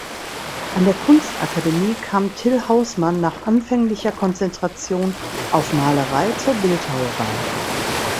An der Kunstakademie kam Till Hausmann nach anfänglicher Konzentration auf Malerei zur Bildhauerei.